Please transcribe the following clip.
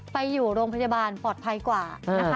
ไปอยู่โรงพยาบาลปลอดภัยกว่านะคะ